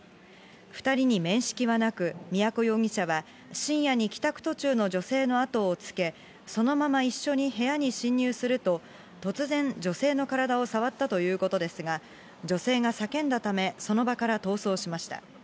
２人に面識はなく、都容疑者は、深夜に帰宅途中の女性のあとをつけ、そのまま一緒に部屋に侵入すると、突然、女性の体を触ったということですが、女性が叫んだため、その場から逃走しました。